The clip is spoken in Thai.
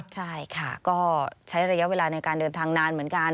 ใช่ค่ะก็ใช้ระยะเวลาในการเดินทางนานเหมือนกัน